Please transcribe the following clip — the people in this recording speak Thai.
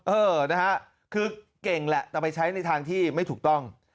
เออนะฮะคือเก่งแหละแต่ไปใช้ในทางที่ไม่ถูกต้อง